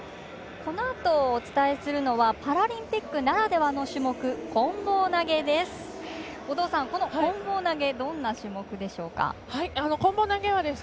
このあとお伝えするのはパラリンピックならではの種目こん棒投げです。